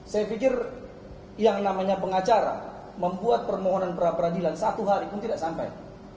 saya pikir yang namanya pengacara membuat permohonan pra peradilan satu hari pun tidak sampai